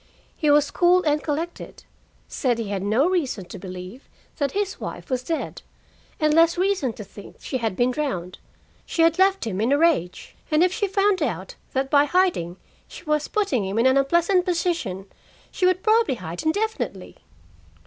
He was cool and collected: said he had no reason to believe that his wife was dead, and less reason to think she had been drowned; she had left him in a rage, and if she found out that by hiding she was putting him in an unpleasant position, she would probably hide indefinitely.